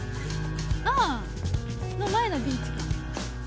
ああ、の前のビーチか。